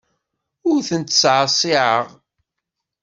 Ur ten-ttṣeɛṣiɛeɣ.